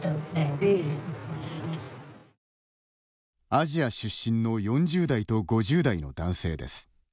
アジア出身の４０代と５０代の男性です。